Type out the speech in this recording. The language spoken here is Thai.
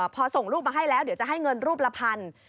พอส่งรูปมาให้แล้วเดี๋ยวจะให้เงินรูปละพัน